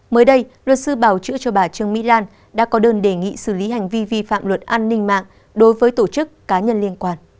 mới đây luật sư bảo chữa cho bà trương mỹ lan đã có đơn đề nghị xử lý hành vi vi phạm luật an ninh mạng đối với tổ chức cá nhân liên quan